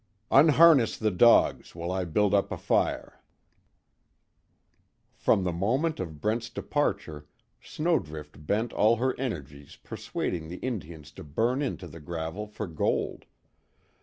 "Unharness the dogs, while I build up a fire." From the moment of Brent's departure, Snowdrift bent all her energies persuading the Indians to burn into the gravel for gold.